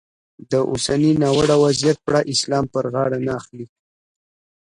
د اوسني ناوړه وضیعت پړه اسلام پر غاړه نه اخلي.